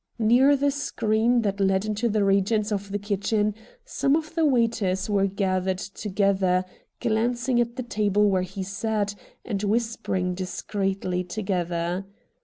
Xear the screen that led into the regions of the kitchen some of the waiters were gathered together, glancing at the table where he sat, and whis pering discreetly together.